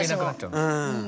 うん。